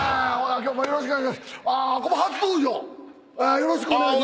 よろしくお願いします。